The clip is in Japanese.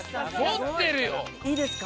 いいですか？